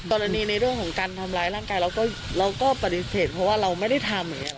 ในเรื่องของการทำร้ายร่างกายเราก็ปฏิเสธเพราะว่าเราไม่ได้ทำ